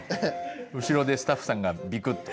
後ろでスタッフさんがビクっと。